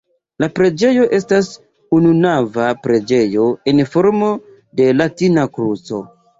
La preĝejo estas ununava preĝejo en formo de latina kruco.